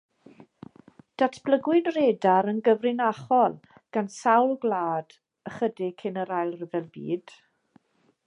Datblygwyd radar yn gyfrinachol gan sawl gwlad ychydig cyn yr Ail Ryfel Byd.